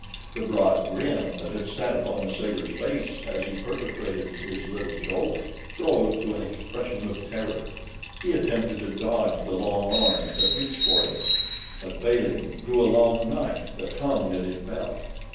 The broad grin that had sat upon the sailor's face as he perpetrated his little joke froze to an expression of terror. He attempted to dodge the long arms that reached for him; but, failing, drew a long knife that hung at his belt.